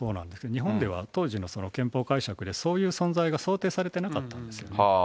日本では当時の憲法解釈で、そういう存在が想定されてなかったんですよね。